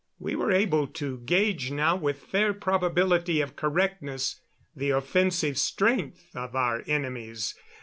We were able to gage now with fair probability of correctness the offensive strength of our enemies.